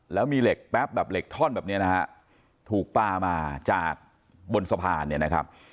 แล้วมีเหล็กแป๊บแบบเหล็กท่อนแบบนี้นะฮะถูกปลามาจากบนสะพานเนี่ยนะครับ